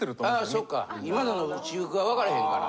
あそっか今田の私服が分かれへんから。